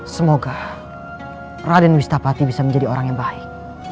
semoga raden wistapati bisa menjadi orang yang baik